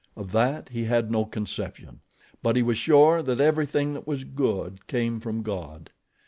Of that he had no conception; but he was sure that everything that was good came from God.